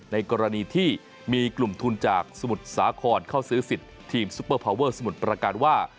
ในกรณีที่มีกลุ่มทุนจากสมุทรสาครเข้าซื้อสิทธิ์ทีมซุปเปอร์พาวเวอร์สมุทรประการว่า